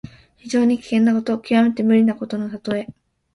非常に危険なこと、きわめて無理なことのたとえ。